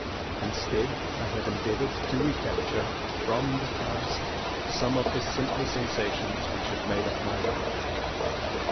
Instead I have endeavoured to recapture from the past some of the simpler sensations which have made up my life.